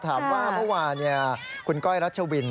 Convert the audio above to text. ถามว่าเมื่อวานคุณก้อยรัชวิน